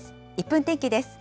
１分天気です。